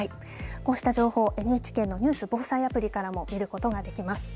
こうした情報ＮＨＫのニュース・防災アプリからも見ることができます。